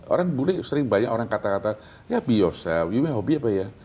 orang bulik sering banyak orang kata kata ya be yourself ini hobi apa ya